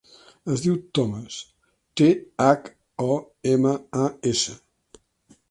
Es diu Thomas: te, hac, o, ema, a, essa.